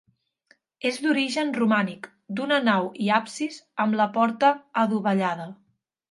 És d'origen romànic, d'una nau i absis, amb la porta adovellada.